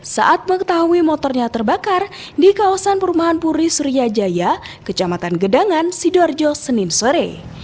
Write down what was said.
saat mengetahui motornya terbakar di kawasan perumahan puri suryajaya kejamatan gedangan sidoarjo senin sore